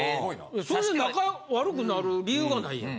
それで仲悪くなる理由がないやん。